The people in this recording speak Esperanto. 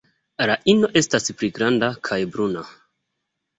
La ino estas pli granda kaj bruna.